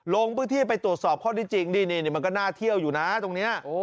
ลงพื้นที่ไปตรวจสอบข้อที่จริงนี่มันก็น่าเที่ยวอยู่นะตรงนี้